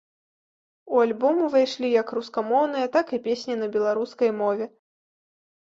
У альбом увайшлі як рускамоўныя, так і песні на беларускай мове.